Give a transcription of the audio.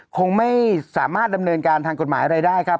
คงไม่สามารถดำเนินการทางกฎหมายอะไรได้ครับ